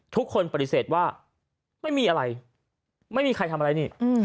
ทุกคนปฏิเสธว่าไม่มีอะไรไม่มีใครทำอะไรนี่